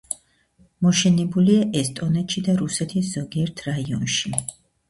მოშენებულია ესტონეთში და რუსეთის ზოგიერთ რაიონში.